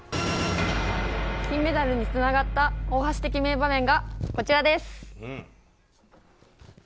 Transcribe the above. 金メダルにつながった大橋的名場面がこちらです。